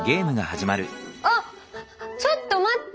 あっちょっと待って！